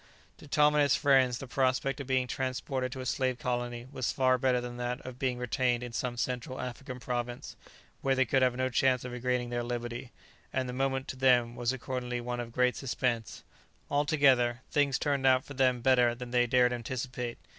To Tom and his friends the prospect of being transported to a slave colony was far better than that of being retained in some Central African province, where they could have no chance of regaining their liberty; and the moment, to them, was accordingly one of great suspense. Altogether, things turned out for them better than they dared anticipate.